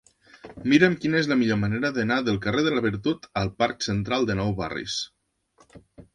Mira'm quina és la millor manera d'anar del carrer de la Virtut al parc Central de Nou Barris.